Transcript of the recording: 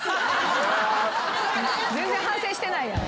全然反省してないやん。